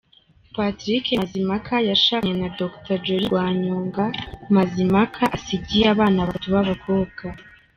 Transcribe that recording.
Patrick Mazimpaka yashakanye na Dr Jolly Rwanyonga Mazimpaka asigiye abana batatu b’abakobwa.